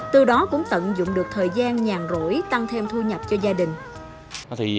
từ đó cũng tận dụng được thời gian nhàn rỗi tăng thêm thu nhập cho gia đình